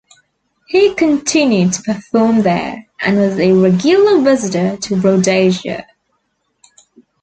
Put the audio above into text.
He continued to perform there, and was a regular visitor to Rhodesia.